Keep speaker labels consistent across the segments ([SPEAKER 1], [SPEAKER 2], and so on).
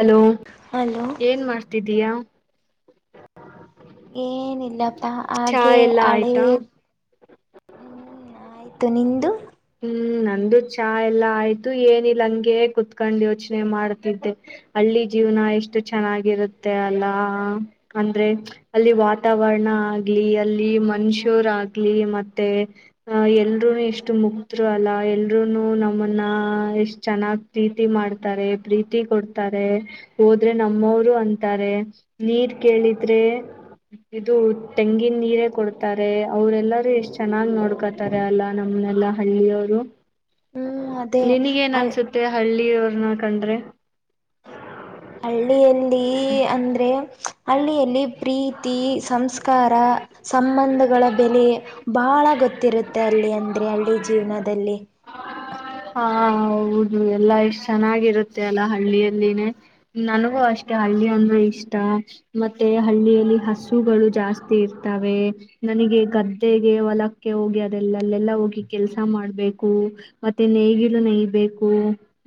[SPEAKER 1] Hello
[SPEAKER 2] hello
[SPEAKER 1] ಏನ್ ಮಾಡ್ತಿದ್ದೀಯಾ ಹ
[SPEAKER 2] ಏನಿಲ್ಲಪ್ಪಾ ಹಾಗೆ
[SPEAKER 1] ಎಲ್ಲಾ
[SPEAKER 2] ಹಳೆ
[SPEAKER 1] ಆಯ್ತಾ
[SPEAKER 2] ಹ್ಮ್ ಆಯ್ತು ಆಯ್ತು ನಿಂದು
[SPEAKER 1] ಹ್ಮ್ ನಂದು ಚಾ ಎಲ್ಲ ಆಯ್ತು ಏನಿಲ್ಲ ಹಂಗೆ ಕುತ್ಕೊಂಡ್ ಯೋಚನೆ ಮಾಡ್ತಿದ್ದೆ ಹಳ್ಳಿ ಜೀವನ ಎಷ್ಟು ಚೆನ್ನಾಗಿರುತ್ತೆ ಅಲ್ಲಾ ಅಂದ್ರೆ ಅಲ್ಲಿ ವಾತಾವರಣ ಆಗ್ಲಿ ಅಲ್ಲಿ ಮನುಷ್ಯರು ಆಗ್ಲಿ ಮತ್ತೆ ಅ ಎಲ್ರೂ ಎಷ್ಟು ಮುಕ್ ಇಬ್ಬರು ಅಲ್ಲ ಎಲ್ರೂನು ನಮ್ಮುನ್ನ ಎಷ್ಟ ಚೆನ್ನಾಗ್ ಪ್ರೀತಿ ಮಾಡ್ತಾರೆ ಪ್ರೀತಿ ಕೊಡ್ತಾರೆ ಹೋದ್ರೆ ನಮ್ಮವರು ಅಂತಾರೆ ನೀರ್ ಕೇಳಿದ್ರೆ ಇದು ತೆಂಗಿನ ನೀರೇ ಕೊಡ್ತಾರೆ ಅವ್ರೆಲ್ಲರೂ ಎಷ್ಟ್ ಚೆನ್ನಾಗ್ ನೋಡ್ಕೊತಾರೆ ಅಲ್ಲಾ ನಮ್ಮನೆಲ್ಲಾ ಹಳ್ಳಿಯವರು
[SPEAKER 2] ಹ್ಮ್ ಅದೇ
[SPEAKER 1] ನಿನಗೇನ್
[SPEAKER 2] ಹ
[SPEAKER 1] ಅನ್ಸುತ್ತೆ ಹಳ್ಳಿ ನನ್ ಕಂಡ್ರೆ
[SPEAKER 2] ಹಳಿ ಹಳ್ಳಿಯಲ್ಲಿ ಅಂದ್ರೆ ಹಳ್ಳಿಯಲ್ಲಿ ಪ್ರೀತಿ ಸಂಸ್ಕಾರ ಸಂಬಂಧಗಳ ಬೆಲೆ ಬಹಳ ಗೊತ್ತಿರುತ್ತೆ ಅಲ್ಲಿ ಅಂದ್ರೆ ಹಳ್ಳಿ ಜೀವನದಲ್ಲಿ.
[SPEAKER 1] ಹಾ ಹೌದು ಎಲ್ಲಾ ಎಷ್ಟ್ ಚೆನ್ನಾಗಿರುತ್ತೆ ಅಲ್ಲ ಹಳ್ಳಿಯಲ್ಲಿನೇ ನನಗೂ ಅಷ್ಟ. ಮತ್ತೆ ಹಳ್ಳಿ ಅಂದ್ರೆ ಇಷ್ಟ ಮತ್ತೆ ಹಳ್ಳಿಯಲ್ಲಿ ಹಸುಗಳು ಜಾಸ್ತಿ ಇರ್ತವೆ ನನಗೆ ಗದ್ದೆಗೆ ಹೊಲಕ್ಕೆ ಹೋಗಿ ಅದೆಲ್ಲಲ್ಲೆಲ್ಲ ಹೋಗಿ ಕೆಲ್ಸ ಮಾಡ್ಬೇಕು ಮತ್ತೆ ನೇಗಿಲು ನೇಯಬೇಕು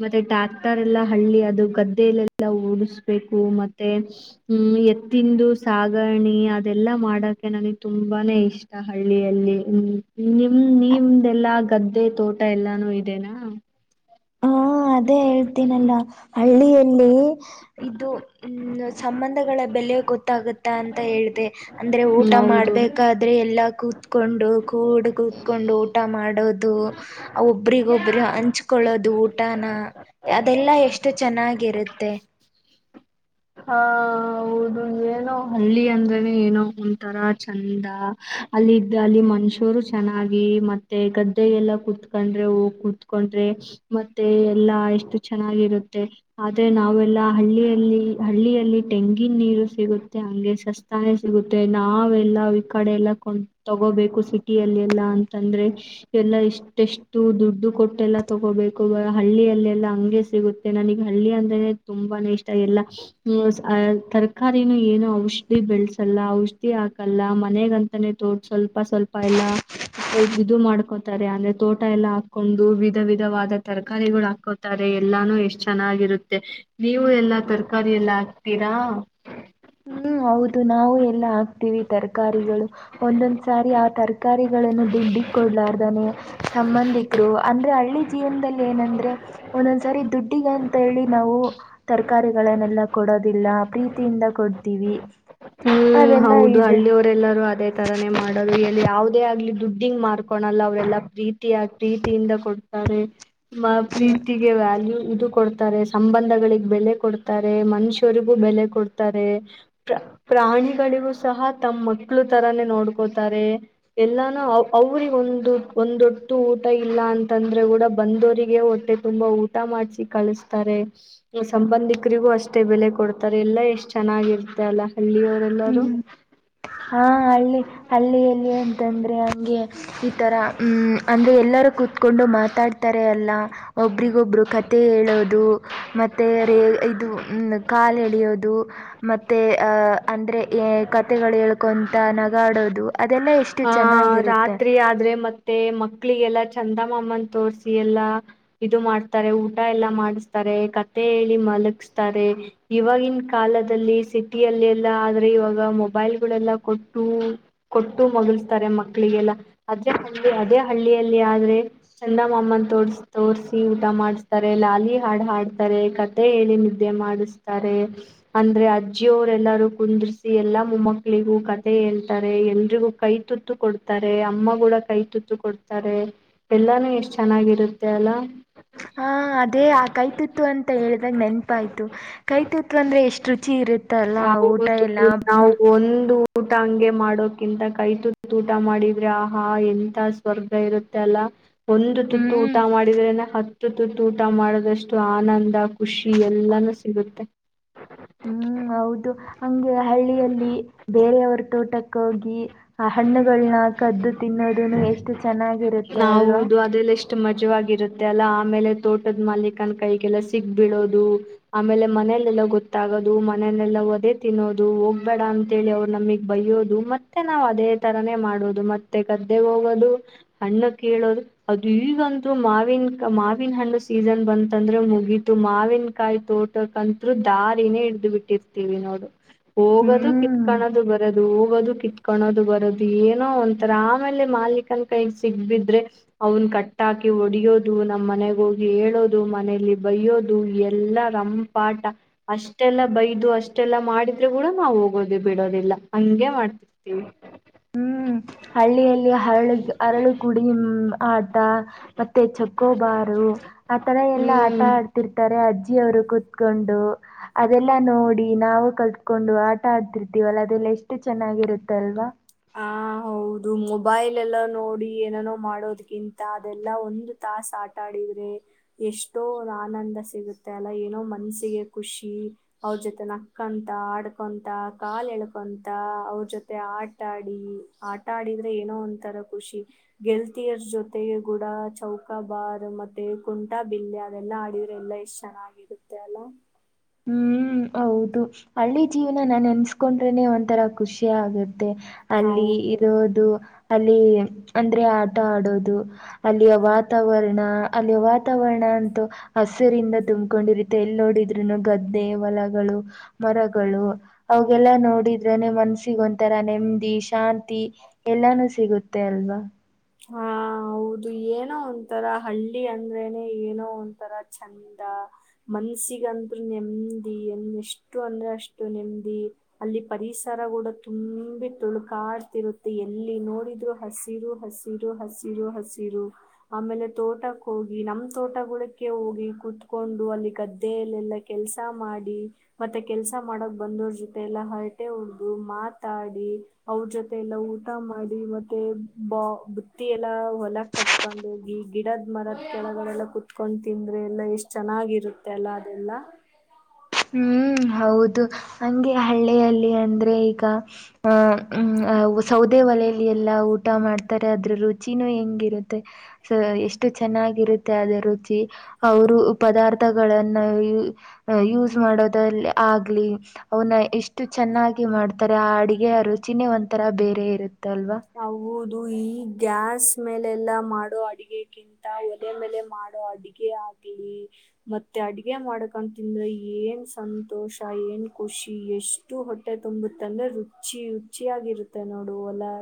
[SPEAKER 1] ಮತ್ತೆ ಟ್ಯಾಕ್ಟರ್ ಎಲ್ಲ ಹಳ್ಳಿ ಅದು ಗದ್ದೆಯಲ್ಲೆಲ್ಲ ಓಡಸ್. ಬೇಕು ಮತ್ತೆ ಹ್ಮ್ ಎತ್ತಿಂದು ಸಾಗಣಿ ಅದೆಲ್ಲಾ ಮಾಡಕ ನನಗ್ ತುಂಬಾನೇ ಇಷ್ಟ ಹಳ್ಳಿಯಲ್ಲಿ ಮ ನಿಮ್ ನಿಮ್ದೆಲ್ಲಾ ಗದ್ದೆ ತೋಟ ಎಲ್ಲಾನು ಇದೆನಾ.
[SPEAKER 2] ಹ ಅದೇ ಹೇಳ್ತೀನಲ್ಲಾ ಹಳ್ಳಿಯಲ್ಲಿ. ಇದು ಹ್ಮ ಸಂಬಂಧಗಳ ಬೆಲೆ ಗೊತ್ತ. ಗೊತ್ತಗುತ್ತಾ ಅಂತ ಹೇಳ್ದೆ. ಅಂದ್ರೆ ಊಟ
[SPEAKER 1] ಹೌದು
[SPEAKER 2] ಮಾಡ್ಬೇಕಾದ್ರೆ ಎಲ್ಲಾ ಕೂ ಕೂತ್ಕೊಂಡು ಕೂಡ್ ಕೂತ್ಕೊಂಡು ಊಟ ಮಾಡೋದು ಒಬ್ರಿಗ್ ಒಬ್ರು ಹಂಚ್ಕೊಳ್ಳೋದು ಊಟ್. ಊಟಾನ ಅದೆಲ್ಲಾ ಎಷ್ಟು ಚೆನ್ನಾಗಿರುತ್ತೆ.
[SPEAKER 1] ಹಾ. ಹೌದು ಏನೋ ಹಳ್ಳಿ ಅಂದ್ರೇನೆ ಏನೋ ಒಂತರಾ ಚಂದಾ ಅಲ್ಲಿ ಅಲ್ಲಿ ಮನುಷ್ಯರು ಚೆನ್ನಾಗಿ ಮತ್ತೆ ಗದ್ದೆ ಎಲ್ಲ ಕುೂತ್ಕೊಂಡ್ರೆ ಹೋಗಿ ಕುೂತ್ಕೊಂಡ್ರೆ ಮತ್ತೆ ಎಲ್ಲಾ ಎಷ್ಟು ಚೆನ್ನಾಗಿರುತ್ತೆ ಆದೆ ನಾವೆಲ್ಲಾ ಹಳ್ಳಿಯಲ್ಲಿ ಹಳ್ಳಿಯಲ್ಲಿ ಟೆಂಗಿನ ನೀರು ಸಿಗುತ್ತೆ. ಹಂಗೆ ಸಸ್ತಾನೆ ಸಿಗುತ್ತೆ ನಾವೆಲ್ಲಾ ಈ ಕಡೆ ಎಲ್ಲಾ ಕೊಂಡ್ ತಗೋಬೇಕು ಸಿಟಿಯಲ್ಲಿ ಎಲ್ಲಾ ಅಂತಂದ್ರೆ ಎಲ್ಲಾ ಇಷ್ಟ ಎಷ್ಟು ದುಡ್ಡು ಕೊಟ್ಟೆಲ್ಲ ತಗೋಬೇಕು ಹಳ್ಳಿಯಲ್ಲೆಲ್ಲಾ ಹಂಗೆ ಸಿಗುತ್ತೆ ನನಗ್ ಹಳ್ಳಿ ಅಂದ್ರನೆ ತುಂಬಾನೇ ಇಷ್ಟ ಎಲ್ಲ ಊಸ್ ಅಸ್ ತರಕಾರಿನು ಏನು ಔಷಧಿ ಬೆಳಸಲ್ಲ ಔಷಧಿ ಹಾಕಲ್ಲ ಮನೆಗಂತಾನೇ ತೋ ಸ್ವಲ್ಪ ಸ್ವಲ್ಪ ಎಲ್ಲಾ ಇದು ಮಾಡ್ಕೋತಾರೆ ಅಂದ್ರೆ ತೋಟ ಎಲ್ಲ ಹಾಕೊಂಡು ವಿಧ ವಿಧವಾದ ತರಕಾರಿಗಳು ಹಾಕೋತಾರೆ ಎಲ್ಲಾನು ಎಷ್ಟ್ ಚೆನ್ನಾಗಿರುತ್ತೆ ನೀವು ಎಲ್ಲಾ ತರಕಾರಿ ಎಲ್ಲ ಹಾಕ್ತೀರಾ.
[SPEAKER 2] ಹ್ಮ್ ಹೌದು ನಾವು ಎಲ್ಲಾ ಹಾಕ್ತೀವಿ. ತರಕಾರಿಗಳು ಒಂದೊಂದ್ ಸಾರಿ ಆ ತರಕಾರಿಗಳನ್ನು ದುಡ್ಡಿ ಕೊಡ್ಲಾರ್ದಾನೆ ಸಂಬಂಧಿಕರು ಅಂದ್ರೆ ಹಳ್ಳಿ ಜೀವನದಲ್ಲಿ ಏನಂದ್ರೆ ಒಂದೊಂದ್ಸಾರಿ ದುಡ್ಡಿಗ್ ಅಂತ ಹೇಳಿ ನಾವು ತರಕಾರಿಗಳನ್ನೆಲ್ಲ. ಕೊಡೋದಿಲ್ಲ ಪ್ರೀತಿಯಿಂದಾ. ಕೊಡ್ತೀವಿ.
[SPEAKER 1] ಹ್ಮ್
[SPEAKER 2] ಅದೆಲ್ಲ
[SPEAKER 1] ಹೌದು
[SPEAKER 2] ಇದೆ
[SPEAKER 1] ಹಳ್ಳಿಯವರೆಲ್ಲರೂ ಅದೇ ತರಾನೇ ಮಾಡೋದು. ಯಾವದೇ ಆಗ್ಲಿ ದುಡ್ಡಿಂಗ್ ಮಾರ್ಕೊಳಲ್ಲ ಅವರೆಲ್ಲ ಪ್ರೀತಿ ಆ ಪ್ರೀತಿಯಿಂದ ಕೊಡ್ತಾರೆ ಮ
[SPEAKER 2] ಹ್ಮ್
[SPEAKER 1] ಪ್ರೀತಿಗೆ ವ್ಯಾಲ್ಯೂ ಇದು ಕೊಡ್ತಾರೆ ಸಂಬಂಧಗಳಿಗೆ ಬೆಲೆ ಕೊಡ್ತಾರೆ ಮನುಷ್ಯರಿಗೂ ಬೆಲೆ ಕೊಡ್ತಾರೆ ಪ್ರ. ಪ್ರಾಣಿಗಳಿಗೂ ಸಹ ತಮ್ಮ್ ಮಕ್ಳು ತರಾನೇ ನೋಡ್ಕೋತಾರೆ ಎಲ್ಲಾನೂ ಅವ್ರಗ ಒಂದು ಒಂದೊಟ್ಟು ಊಟ ಇಲ್ಲ ಅಂತಂದ್ರೆ ಕೂಡ ಬಂದವರಿಗೆ ಹೊಟ್ಟೆ ತುಂಬಾ ಊಟ ಮಾಡಸಿ ಕಳಿಸ್ತಾರೆ ಸಂಬಂಧಿಕರಿಗೂ ಅಷ್ಟೇ ಬೆಲೆ ಕೊಡ್ತಾರೆ ಎಲ್ಲ ಎಷ್ಟ್ ಚೆನ್ನಾಗಿರುತ್ತೆ ಅಲ್ಲಾ.
[SPEAKER 2] ಹ್ಮ್ ಹಾ ಹಳ್ಳಿ ಹಳ್ಳಿಯಲ್ಲಿ ಅಂತಂದ್ರೆ ಹಂಗೆ ಈತರ ಹ್ಮ್ ಅಂದ್ರೆ ಎಲ್ಲರು ಕೂತ್ಕೊಂಡು ಮಾತಾಡ್ತಾರೆ ಅಲ್ಲ ಒಬ್ರಿಗ ಒಬ್ರು ಕತೆ ಹೇಳೋದು ಮತ್ತೆ ರೇ ಇದು ಮ ಕಾಲ್ ಎಳಿಯೋದು ಮತ್ತೆ. ಅಂದ್ರೆ ಏ ಕತೆಗಳು ಹೇಳ್ಕೊಂತ ನಗಾಡೋದು ಅದೆಲ್ಲ ಎಷ್ಟು
[SPEAKER 1] ಆ
[SPEAKER 2] ಚೆನ್ನಾಗಿರುತ್ತೆ.
[SPEAKER 1] ರಾತ್ರಿ ಆದ್ರೆ ಮತ್ತೆ ಮಕ್ಕಳಿಗೆಲ್ಲಾ ಚಂದಮಾಮನ್ ತೋರ್ಸಿ ಎಲ್ಲಾ ಇದು ಮಾಡ್ತಾರೆ ಊಟ ಎಲ್ಲಾ ಮಾಡಿಸ್ತಾರೆ ಕತೆ ಹೇಳಿ ಮಲಗಸ್ತಾರೆ ಇವಾಗಿನ ಕಾಲದಲ್ಲಿ ಸಿ. ಸಿಟಿಯಲ್ಲಿ ಎಲ್ಲಾ ಆದ್ರೆ ಇವಾಗ ಮೊಬೈಲ್ ಗಳೆಲ್ಲ ಕೊಟ್ಟು ಕೊಟ್ಟು ಮಲಗಸ್ತಾರೆ ಮಕ್ಕಳಿಗೆಲ್ಲ ಅದೇ ಹಳ್ಳಿ ಅದೇ ಹಳ್ಳಿಯಲ್ಲಿ ಆದ್ರೆ ಚಂದಮಮ್ಮನ ತೋರ್ ತೋಸಿ ಊಟ ಮಾಡಿಸತಾರೆ ಲಾಲಿ ಹಾಡು ಹಾಡ್ತಾರೆ ಕತೆ ಹೇಳಿ ನಿದ್ದೆ ಮಾಡಿಸ್ತಾರೆ ಅಂದ್ರೆ ಅ. ಅಜ್ಜಿಯವರೆ ಎಲ್ಲಾರೂ ಕುಂದ್ರಸಿ ಎಲ್ಲಾ ಮಮ್ಮಕ್ಕಳಿಗೂ ಕತೆ ಹೇಳ್ತಾರೆ ಎಲ್ರಿಗೂ ಕೈ ತುತ್ತು ಕೊಡ್ತಾರೆ ಅಮ್ಮ ಕೂಡ ಕೈ ತುತ್ತು ಕೊಡ್ತಾರೆ ಎಲ್ಲಾನೂ ಎಷ್ಟ ಚೆನ್ನಾಗಿರುತ್ತೆ ಅಲ್ಲ.
[SPEAKER 2] ಹಾ ಅದೇ ಆ ಕೈ ತುತ್ತು ಅಂತ ಹೇಳಿದಾಗ ನೆನಪಾಯ್ತು ಕೈ ತುತ್ತು. ತುತ್ತು ಅಂದ್ರೆ ಎಷ್ಟ್ ರುಚಿ ಇರುತ್ತ ಅಲ್ಲಾ ಊಟ
[SPEAKER 1] ಹೌದು
[SPEAKER 2] ಎಲ್ಲಾ.
[SPEAKER 1] ನಾವು ಒಂದು ಊಟ ಹಂಗೆ ಮಾಡೋಕಿಂತ ಕೈ ತುತ್ತು ಊಟ ಮಾಡಿದ್ರೆ ಆಹಾ ಎಂತ ಸ್ವರ್ಗ ಇರುತ್ತೆ ಅಲ್ಲ. ಒಂದು ತುತ್ತು
[SPEAKER 2] ಹ್ಞೂ
[SPEAKER 1] ಊಟ ಮಾಡಿದ್ರೇನೆ ಹ. ಹತ್ತು ತುತ್ತು ಊಟ ಮಾಡದಷ್ಟು ಆನಂದ ಖುಷಿ ಎಲ್ಲಾನೂ ಸಿಗುತ್ತೆ.
[SPEAKER 2] ಹ್ಮ್ ಹೌದು ಹಂಗೆ ಹಳ್ಳಿಯಲ್ಲಿ ಬೇರೆಯವರ ತೋಟಕ್ಕ ಹೋಗಿ. ಆ ಹಣ್ಣುಗಳನ್ನ ಕದ್ದು ತಿನ್ನೋದುನು ಎಷ್ಟು ಚೆನ್ನಾಗಿ
[SPEAKER 1] ನಾವುದು ಅದೆಲ್ಲ ಎಷ್ಟ. ಮಜವಾಗಿರುತ್ತೆ ಅಲ್ಲಾ ಆಮೇಲೆ ತೋಟದ ಮಾಲಿಕನ ಕೈಗೆಲ್ಲ ಸಿಕ್ಬೀಳೋದು ಆಮೇಲೆ ಮನೇಲೆಲ್ಲ ಗೊತ್ತಾಗೋದು ಮನೆಲೆಲ್ಲ ಒದೆ ತಿನ್ನೋದು ಹೋಗ್ಬೇಡ ಅಂತೇಳಿ ಅವ್ರು ನಮಿಗ್ ಬೈಯ್ಯೋದು ಮತ್ತೆ ನಾವ್ ಅದೇ ತರಾನೇ ಮಾಡೋದು ಮತ್ತೆ ಗದ್ದೆಗ್ ಹೋಗೋದು. ಹಣ್ಣ ಕೇಳೋದ ಅದು ಈಗಂತೂ ಮಾವಿನ ಮಾವಿನ ಹಣ್ಣು ಸೀಸನ್ ಬಂತಂದ್ರೆ ಮುಗಿತು ಮಾವಿನಕಾಯಿ ತೋಟಂಕತ್ರೂ ದಾರಿನೇ ಹಿಡ್ದ್ ಬಿಟ್ಟಿರ್ತೀವಿ ನೋಡು. ಹೋಗೋದು
[SPEAKER 2] ಹ್ಮ್
[SPEAKER 1] ಕಿತ್ಕಾಣದು. ಬರದು ಹೋಗೋದು ಕಿತ್ಕೊಳ್ಳೋದು ಬರೋದು ಏನೋ ಒಂತರ ಆಮೇಲೆ ಮಾಲಕನ. ಕೈ ಸಿಗ್ಬಿದ್ರೆ ಅವನ್ ಕಟ್ಟಾಕಿ ಹೊಡಿಯೋದು ನಮ್ಮ್ ಮನೆಗೋಗಿ ಹೇಳೋದು ಮನೇಲಿ ಬಯ್ಯೋದು ಎಲ್ಲಾ ರಂಪಾಟ ಅಷ್ಟೆಲ್ಲ ಬೈದು ಅಷ್ಟೆಲ್ಲಾ ಮಾಡಿದ್ರೆ ಕೂಡ ನಾವ್ ಹೋಗೋದೆ ಬಿಡೋದಿಲ್ಲ ಹಂಗಗೆ ಮಾಡ್ತಿರ್ತೀವಿ
[SPEAKER 2] ಅರಳ ಕುಡ ಆ ಮತ್ತೆ ಚಕ್ಕೋಬಾರು ಆ ತರ ಎಲ್ಲಾ ಆಟ
[SPEAKER 1] ಹ್ಮ್
[SPEAKER 2] ಆಡ್ತಿರ್ತಾರೆ ಅಜ್ಜಿಯ ಅವರು ಕುೂತ್ಕೊಂಡು ಅದೆಲ್ಲಾ ನೋಡಿ ನಾವು ಕಲ್ತ್ಕೊಂಡು ಆಟ ಆಡ್ತಿರ್ತೀವಲ್ಲ ಅದೆಲ್ಲ ಎಷ್ಟು ಚೆನ್ನಾಗಿರುತ್ತಲ್ವಾ
[SPEAKER 1] ಹ ಹೌದು ಮೊಬೈಲ್ ಎಲ್ಲ ನೋಡಿ ಏನನೋ ಮಾಡೋದ್ಕಿಂತ ಅದೆಲ್ಲಾ ಒಂದು ತಾಾಸ ಆಟಾಡಿದ್ರೆ ಎಷ್ಟೋ ಆನಂದ ಸಿಗುತ್ತೆ ಅಲ್ಲ ಏನೋ ಮನ್ಸಿಗೆ ಖುಷಿ ಅವ್ರ ಜೊತೆ ನಕ್ಕಂತ ಆಡ್ಕೊಂತ ಕಾಾಲ ಎಳ್ಕೊಂತ ಅವ್ರ ಜೊತೆ ಆ ಆಟ ಆಡಿ ಆಟ ಆಡಿದ್ರೆ ಏನೋ ಒಂಂತರ ಖುಷಿ ಗೆಲ್ತಿಯರ್ ಜೊತೆ ಗುಡ ಚೌಕಾ ಬಾರ್ ಮತ್ತೆ ಕುಂಟಾ ಬಿಲ್ಲೆ ಅದೆಲ್ಲಾ ಆಡಿದ್ರೆ ಎಲ್ಲಾ ಎಷ್ಟ್ ಚೆನ್ನಾಗಿರುತ್ತೆ ಅಲ್ಲ
[SPEAKER 2] ಹ್ಮ್ ಹೌದು ಹಳ್ಳಿ ಜೀವನ ನಾನ ಎನ್ಸ್ಕೊಂಡ್ರೆನೆ ಒಂಥರ ಖುಷಿಯ ಆಗುತ್ತೆ ಮ ಅಲ್ಲಿ
[SPEAKER 1] ಹೌದು
[SPEAKER 2] ಇರೋದು ಅಲ್ಲಿ ಅಂದ್ರೆ ಆಟ ಆಡೋದು ಅಲ್ಲಿಯ ವಾತಾವರಣ ಅಲ್ಲಿಯ ವಾತಾವರಣ ಅಂತೂ ಹಸಿರಿಂದ ತುಂಬ್ಕೊಂಡಿರುತ್ತೆ ಎಲ್ಲಿ ನೋಡಿದ್ರು ಗದ್ದೆ ಹೊಲಗಳು ಮರಗಳು ಅವಾಗೆಲ್ಲ ನೋಡಿದ್ರನೆ ಮನ್ಸಿಿಗೆ ಒಂಥರ ನೆಮ್ಮದಿ ಶಾಂತಿ ಎಲ್ಲಾನು ಸಿಗುತ್ತೆ ಅಲ್ವಾ
[SPEAKER 1] ಹಾ ಹೌದು ಏನೋ ಒಂತರ ಹಳ್ಳಿ ಅಂದ್ರೇನನೆ ಏನೋ ಒಂತರ ಚಂದ ಮನ್ಸಿಗಂದ್ರು ನೆಮದಿ ಎನ್ೆಷ್ಟು ಅಂದ್ರೆ ಅಷ್ಟು ನೆಮ್ಮದಿ ಅಲ್ಲಿ ಪರಿಸರ ಕೂಡ ತುಂಬಿ ತುಳ್ಕಾಡ್ತಿರುತ್ತೆ ಎಲ್ಲಿ ನೋಡಿದ್ರು ಹಸಿರು ಹಸಿ ಹಸಿರು ಹಸಿರು ಆಮೇಲೆ ತೋಟಕ್ಕೆ ಹೋಗಿ ನಮ್ ತೋಟಗಳುಡಕ್ಕೆ ಹೋಗಿ ಕುೂತ್ಕೊಂಡು ಅಲ್ಲಿ ಗದ್ದೆಯಲ್ಲೆಲ್ಲ ಕೆಲ್ಸ ಮಾಡಿ ಮತ್ತೆ ಕೆಲ್ಸ ಮಾಡಕ್ ಬಂದವ್ರ ಜೊತೆ ಎಲ್ಲ ಹೊರಟೆ ಹೊಡ್ದು ಮಾತಾಡಿ ಅವ್ರ ಜೊತೆ ಎಲ್ಲ ಊಟ ಮಾಡಿ ಮತ್ತೆ ಬ ಹುತ್ತಿ ಎಲ್ಲಾ ಹೊಲ ಕಟ್ಕೊಂಡ ಹೋಗಿ ಗಿಡದ್ ಮರದ ಕೆಳಗಳೆಲ್ಲ ಕುೂತ್ಕೊಂಡು ತಿಂದ್ರೆ ಎಲ್ಲ ಎಷ್ಟ್ ಚೆನ್ನಾಗಿರುತ್ತೆ ಅಲ್ಲ ಅದೆಲ್ಲ
[SPEAKER 2] ಹ್ಮ್ ಹೌದು ಹಂಗೆ ಹಳ್ಳಿಯಲ್ಲಿ ಅಂದ್ರೆ ಈಗ ಅಹ್ಮ್ ಸೌದೆ ಒಲಲಿ ಎಲ್ಲಾ ಊಟ ಮಾಡ್ತಾರೆ ಅದ್ರ ರುಚಿನೂ ಹೆಂಗಿರುತ್ತೆ ಎಷ್ಟು ಚೆನ್ನಾಗಿರುತ್ತೆ ಅದ ರುಚಿ ಅವರು ಪದಾರ್ಥ ಗಳನ್ನು ಯು ಯೂಸ್. ಮಾಡೋದಲ್ಲಿ ಆಗ್ಲಿ ಅವನ ಎಷ್ಟು ಚೆನ್ನಾಗಿ ಮಾಡ್ತಾರೆ. ಆ ಅಡಿಗೆಯ ರುಚಿನೇ ಒಂತರ ಬೇರೆ ಇರುತ್ತೆ.
[SPEAKER 1] ಹೌ ಇದು ಈ ಗ್ಯಾಸ್ ಮೇಲೆ ಎಲ್ಲ ಮಾಡೋ ಅಡಗೆಗಿಂತ ಒಲೆ ಮೇಲೆ ಮಾಡೋ ಅಡಗೆ ಆಗ್ಲಿ ಮತ್ತೆ ಅಡ್ಗೆ ಮಾಡಕ ತಿಂದ್ರ ಏನ್ ಸಂತೋಷ ಏನ್ ಖುಷಿ ಎಷ್ಟು ಹೊಟ್ಟೆ ತುಂಬುತ್ತೆ ಅಂದ್ರೆ ರುಚಿ ರುಚಿ ಯಾಗಿರುತ್ತೆ ನೋಡು ಓಲೆ.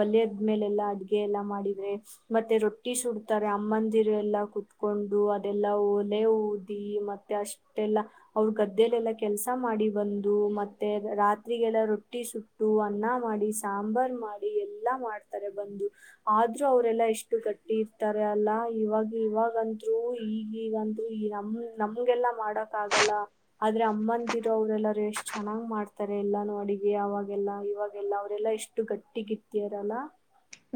[SPEAKER 1] ಓಲದ್ಮೇಲೆ ಎಲ್ಲಾ ಅಡ್ಗೆ ಎಲ್ಲಾ ಮಾಡಿದ್ರೆ ಮತ್ತೆ ರೊಟ್ಟಿ ಸುಡ್ತಾರೆ ಅಮ್ಮಂದಿರು ಎಲ್ಲ ಕುೂತ್ಕೊಂಡು ಅದೆಲ್ಲಾ ಓಲೆ ಊದಿ ಮತ್ತೆ ಅಷ್ಟೆಲ್ಲ ಅವರು ಗದ್ದೆಲೆಲ್ಲ ಕೆಲ್ಸ ಮಾಡಿ ಬಂದು ಮತ್ತೆ ರಾತ್ರಿಗೆಲ್ಲ ರೊಟ್ಟಿ ಸುಟ್ಟು ಅನ್ನ ಮಾಡಿ ಸಾಂಬಾರ್ ಮಾಡಿ. ಎಲ್ಲಾ ಮಾಡ್ತಾರೆ. ಬಂದು ಆದ್ರರು ಅವರೆಲ್ಲಾ ಎಷ್ಟು ಗಟ್ಟಿ ಇರ್ತಾರೆ ಅಲ್ಲ ಇವಾಗ ಇವಾಗಂದ್ರು ಈಗೀಗಂತ್ರು ಈ ನಮ್ ನಮ್ಗೆಲ್ಲಾ ಮಾಡಕ್ ಆಗಲ್ಲ ಆದ್ರೆ ಅಮ್ಮಂತಿರೋ ಅವರೆಲ್ಲಾರೂ ಎಷ್ಟ್ ಚೆನ್ನಾಗ್ ಮಾಡ್ತಾರೆ ಎಲ್ಲಾನ ಅಡಿಗೆ ಅವಾಗೆಲ್ಲಾ ಇವಾಗೆಲ್ಲ ಅವರೆಲ್ಲಾ ಎಷ್ಟು ಗಟ್ಟಿ. ಒಟ್ಟಿಗಿತ್ತಿರಲ್ಲ.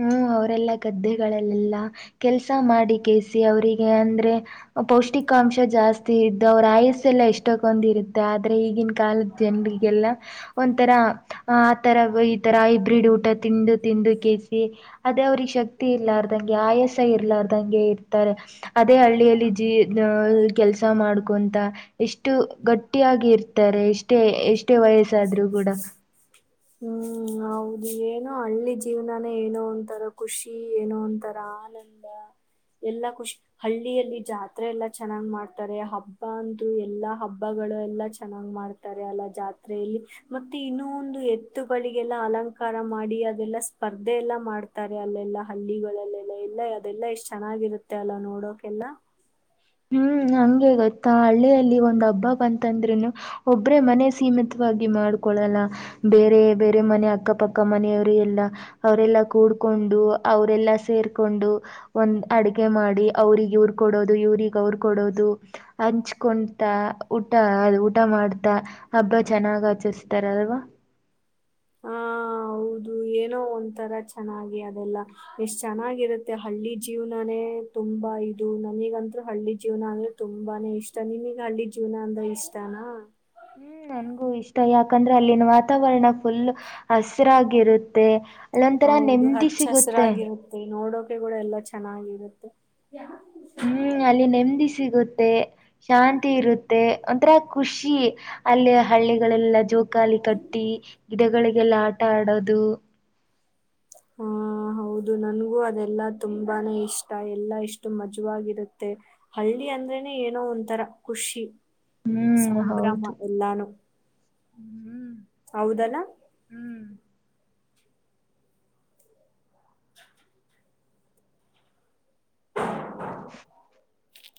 [SPEAKER 2] ಹು ಅವರೆಲ್ಲ ಗದ್ದೆಗಳಲ್ಲೆಲ್ಲ ಕೆಲ್ಸ ಮಾಡಿ ಕಸಿ ಅವರಿಗೆ ಅಂದ್ರೆ ಪೌಷ್ಟಿಕಾಂಶ ಜಾಸ್ತಿ ಇದ್ದು ಅವ್ರ ಆಯಸ್ಸ ಎಲ್ಲ ಎಷ್ಟಕ್ಕೊಂದ್ ಇರುತ್ತೆ ಆದ್ರೆ ಈಗಿನ ಕಾಲದ ಜನರಿಗೆಲ್ಲ ಒಂಥರ ಆತರ ಈ ತರ ಹೈಬ್ರಿಡ್ ಊಟ ತಿಂದು ತಿಂದು ಕೇಸ್. ಅದೇ ಅವ್ರಿಗೆ ಶಕ್ತಿ ಇರ್ಲಾರ್ದಂಗೆ ಆಯಾಸ ಇರ್ಲಾರ್ದಂಗೆ ಇರ್ತಾರೆ ಅದೇ ಹಳ್ಳಿಯಲ್ಲಿ ಜೀ ಕೆಲಸ ಮಾಡ್ಕೊಂತ ಎಷ್ಟು ಗಟ್ಟಿಯಾಗಿ ಇರ್ತಾರೆ ಎಷ್ಟೇ ಎಷ್ಟ. ಅಷ್ಟೇ ವಯಸ್ಸಾದ್ರೂ ಕೂಡ.
[SPEAKER 1] ಹು ಹೌದು ಏನೋ ಹಳ್ಳಿ ಜೀವನಾನೇ ಏನೋ ಅಂತಾರ ಖುಷಿ ಏನೋ ಅಂತಾರ ಆನಂದ ಎಲ್ಲಾ ಖುಷಿ ಹಳ್ಳಿಯಲ್ಲಿ ಜಾತ್ರೆ ಎಲ್ಲಾ ಚೆನ್ನಾಗ್ ಮಾಡ್ತಾರೆ ಹಬ್ಬ ಅಂತೂ ಎಲ್ಲಾ ಹಬ್ಬಗಳು ಎಲ್ಲಾ ಚೆನ್ನಾಗ್ ಮಾಡ್ತಾರೆ ಅಲ್ಲ ಜಾತ್. ಇಲ್ಲಿ ಮತ್ತೆ ಇನ್ನೂ ಒಂದು ಎತ್ತುಗಳಿಗೆಲ್ಲ ಅಲಂಕಾರ ಮಾಡಿ ಅದೆಲ್ಲ ಸ್ಪರ್ಧೆ ಎಲ್ಲಾ ಮಾಡ್ತಾರೆ ಅಲ್ಲೆಲ್ಲ ಹಳ್ಳಿಗಳಲ್ಲೆಲ್ಲ ಎಲ್ಲಾ ಅದೆಲ್ಲಾ ಎಷ್ಟ್ ಚೆನ್ನಾಗಿರುತ್ತೆ ಅಲ್ಲ ನೋಡೋಕೆಲ್ಲ.
[SPEAKER 2] ಹು ಹಂಗೆ ಗೊತ್ತಾ ಹಳ್ಳಿಯಲ್ಲಿ ಒಂದ್ ಹಬ್ಬ ಬಂತಂದ್ರುನು ಒಬ್ರೇ ಮನೆ ಸೀಮಿತವಾಗಿ ಮಾಡ್ಕೊಳ್ಳಲ್ಲ ಬೇರೆ ಬೇರೆ ಮನೆ ಅಕ್ಕಪಕ್ಕ ಮನೆಯವರು ಎಲ್ಲಾ ಅವರೆಲ್ಲಾ ಕೂಡ್ಕೊಂಡು ಅವರೆಲ್ಲಾ ಸೇರ್ಕೊಂಡು ಒಂದ್ ಅಡಗೆ ಮಾಡಿ ಅವ್ರಿಗೆ ಇವ್ರು ಕೊಡೋದು ಇವ್ರಗ್. ಹಂಚೋಗುಂತ ಅವರ್ ಕೊಡೋದು ಊಟ ಅದ ಊಟ ಮಾಡ್ತಾ ಹಬ್ಬ ಚೆನ್ನಾಗ್ ಆಚರಿಸತಾರ ಅಲ್ವಾ.
[SPEAKER 1] ಹಾ ಹೌದು ಏನೋ ಒಂತರ ಚೆನ್ನಾಗಿ ಅದೆಲ್ಲ ಎಷ್ಟ್ ಚೆನ್ನಾಗಿರುತ್ತೆ ಹಳ್ಳಿ ಜೀವ್ನಾನೇ ತುಂಬಾ ಇದು ನನಿಗಂತೂ ಹಳ್ಳಿ ಜೀವನ ಅಂದ್ರೆ ತುಂಬಾನೇ ಇಷ್ಟ ನಿನಗ್ ಹಳ್ಳಿ ಜೀವ್ನ ಅಂದ್ರ ಇಷ್ಟನಾ.
[SPEAKER 2] ಹು ನನ್ಗೂ ಇಷ್ಟ ಯಾಕಂದ್ರೆ ಅಲ್ಲಿನ ವಾತಾವರಣ ಫುಲ್ ಹಸಿರಾಗಿರುತ್ತೆ. ಅಲ್ಲೊಂಥರ
[SPEAKER 1] ಹೌದು
[SPEAKER 2] ನೆಮ್ಮದಿ ಸಿಗುತ್ತೆ.
[SPEAKER 1] ಊರೆಲ್ಲ ಎಲ್ಲ ಚೆನ್ನಾಗಿರುತ್ತೆ.
[SPEAKER 2] ಹ್ಮ್ ಅಲ್ಲಿ ನೆಮ್ಮದಿ ಸಿಗುತ್ತೆ ಶಾಂತಿ ಇರುತ್ತೆ ಒಂಥರ ಖುಷಿ ಅಲ್ಲಿ ಹಳ್ಳಿಗಳೆಲ್ಲ ಜೋಕಾಲಿ ಕಟ್ಟಿ ಗಿಡಗಳಿಗೆಲ್ಲ ಆಟ ಆಡೋದು.
[SPEAKER 1] ಹಾ ಹೌದು ನನ್ಗೂ ಅದೆಲ್ಲಾ ತುಂಬಾನೇ ಇಷ್ಟ ಎಲ್ಲಾ ಇಷ್ಟು ಮಜವಾಗಿರುತ್ತೆ ಹಳ್ಳಿ ಅಂದ್ರೇನೆ ಏನೋ ಒಂಥರ ಖುಷಿ.
[SPEAKER 2] ಹ್ಮ್
[SPEAKER 1] ಸಂಭ್ರಮ ಎಲ್ಲಾನು.
[SPEAKER 2] ಹು ಹು.
[SPEAKER 1] ಹೌದಲ್ಲ. ಕ್ಟೊ ಕ್ಟ್ ಜೀ.